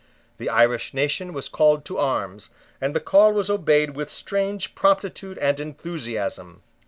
The Irish nation was called to arms; and the call was obeyed with strange promptitude and enthusiasm.